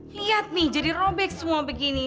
lihat nih jadi robek semua begini